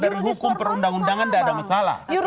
dari hukum perundang undangan tidak ada masalah